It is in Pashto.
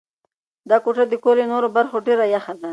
دا کوټه د کور له نورو برخو ډېره یخه ده.